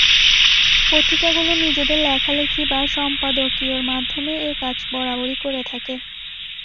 পত্রিকাগুলো নিজেদের লেখালেখি বা সম্পাদকীয়র মাধ্যমে এ কাজ বরাবরই করে থাকে।